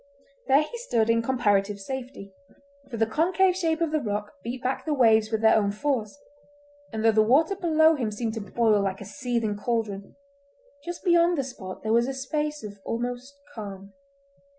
There he stood in comparative safety, for the concave shape of the rock beat back the waves with their own force, and though the water below him seemed to boil like a seething cauldron, just beyond the spot there was a space of almost calm.